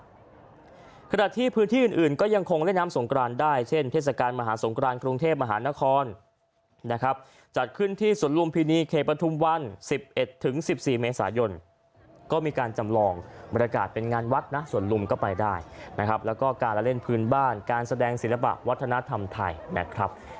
ขณะที่พื้นที่อื่นอื่นก็ยังคงเล่นน้ำสงกรานได้เช่นเทศกาลมหาสงครานกรุงเทพมหานครนะครับจัดขึ้นที่สวนลุมพินีเขตปฐุมวัน๑๑ถึง๑๔เมษายนก็มีการจำลองบรรยากาศเป็นงานวัดนะสวนลุมก็ไปได้นะครับแล้วก็การละเล่นพื้นบ้านการแสดงศิลปะวัฒนธรรมไทยนะครับ